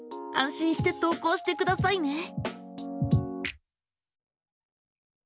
安心して投稿してくださいね！